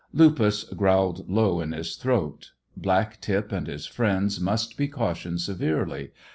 Lupus growled low in his throat. Black tip and his friends must be cautioned severely.